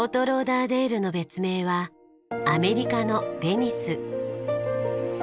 ローダーデールの別名はアメリカのヴェニス。